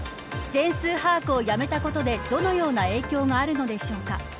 全数把握をやめたことでどのような影響があるのでしょうか。